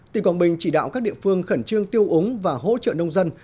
tỉnh quảng bình chỉ đạo các địa phương khẩn trương tiêu ống và hỗ trợ nông dân